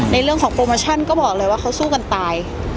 ในเรื่องของโปรโมชั่นก็บอกเลยว่าเขาสู้กันตาย